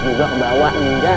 itu ikut juga ke bawah meninggal